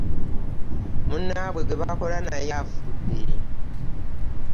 Munnaabwe gwe bakola naye afudde.